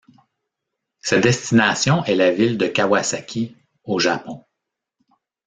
Sa destination est la ville de Kawasaki, au Japon.